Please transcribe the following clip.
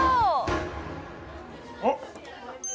あっ